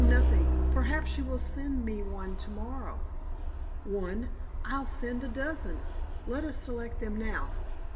Nothing! Perhaps you will send me one tomorrow?" "One? I'll send a dozen. Let us select them now."